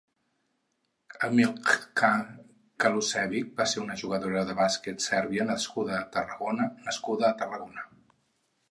Cmiljka Kalušević va ser una jugadora de bàsquet sèrbia nascuda a Tarragona nascuda a Tarragona.